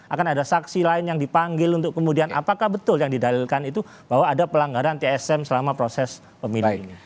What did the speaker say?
akan ada saksi lain yang dipanggil untuk kemudian apakah betul yang didalilkan itu bahwa ada pelanggaran tsm selama proses pemilih